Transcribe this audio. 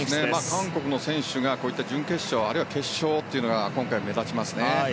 韓国の選手が準決勝、あるいは決勝というのは今回目立ちますね。